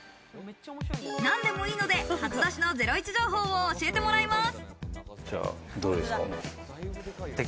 何でもいいので初出しのゼロイチ情報を教えてもらいます。